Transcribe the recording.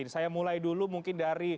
saya mulai dulu mungkin dari